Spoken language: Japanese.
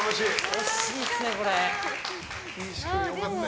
惜しいっすね、これ。